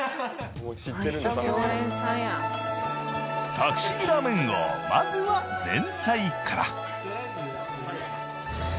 タクシーラーメン王まずは前菜から。